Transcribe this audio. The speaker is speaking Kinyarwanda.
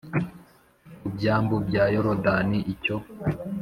ku byambu bya Yorodani Icyo